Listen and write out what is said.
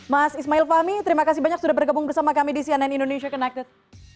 mas ismail fahmi terima kasih banyak sudah bergabung bersama kami di cnn indonesia connected